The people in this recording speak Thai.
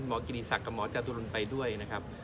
หมอกินิสักกับหมอจตุลุนไปด้วยนะครับ